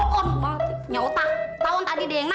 lu nyari cepet lagi dong